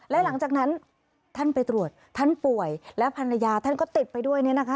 และหลังจากนั้นท่านไปตรวจท่านป่วยและภรรยาท่านก็ติดไปด้วยเนี่ยนะคะ